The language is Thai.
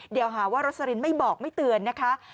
เดี๋ยวหาว่ารสลินไม่บอกไม่เตือนนะคะ